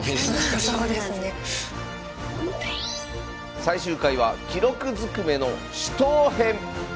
最終回は「記録ずくめの死闘編」